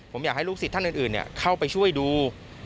ผมอยากให้ลูกศิษย์ท่านอื่นเข้าไปช่วยดู